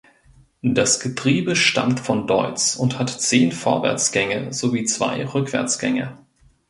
Das Getriebe stammt von Deutz und hat zehn Vorwärtsgänge sowie zwei Rückwärtsgänge.